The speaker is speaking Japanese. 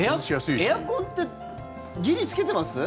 今もう、エアコンってギリつけてます？